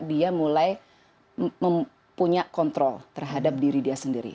dia mulai mempunyai kontrol terhadap diri dia sendiri